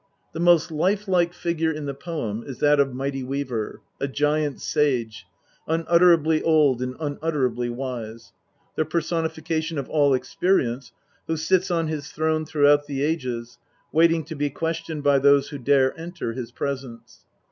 The most life like figure in the poem is that of Mighty Weaver, a giant sage, unutterably old and unutterably wise; the personification of all Experience, who sits on his throne throughout the ages, waiting to be questioned by those who dare enter his presence.